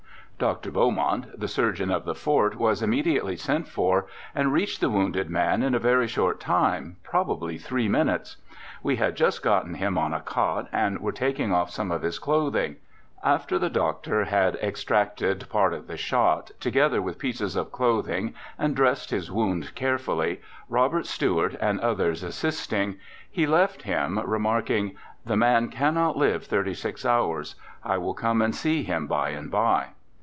' Doctor Beaumont, the surgeon of the fort, was im mediately sent for, and reached the wounded man in A BACKWOOD PHYSIOLOGIST i6i a very short time, probably three minutes. We had just gotten him on a cot, and were taking off some of his clothing. After the doctor had extracted part of the shot, together with pieces of clothing, and dressed his wound carefully, Robert Stuart and others assisting, he left him, remarking, "The man cannot live thirty six hours; I will come and see him by and by."